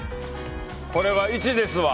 これは１ですわ！